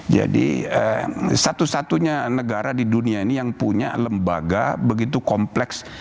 jadi satu satunya negara di dunia ini yang punya lembaga begitu kompleks